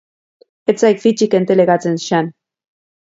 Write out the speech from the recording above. Ez zaik fitsik entelegatzen, Xan.